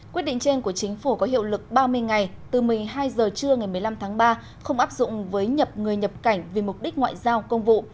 quyết định trên của chính phủ có hiệu lực ba mươi ngày từ một mươi hai h trưa ngày một mươi năm tháng ba không áp dụng với nhập người nhập cảnh vì mục đích ngoại giao công vụ